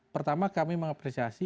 pertama kami mengapresiasi